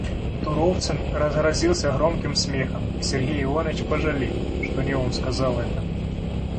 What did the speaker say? Туровцын разразился громким смехом, и Сергей Иванович пожалел, что не он сказал это.